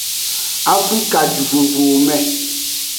Afrikajuvovowome.